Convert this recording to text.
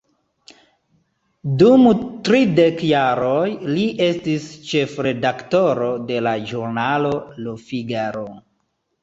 Dum tridek jaroj, li estis ĉefredaktoro de la ĵurnalo "Le Figaro".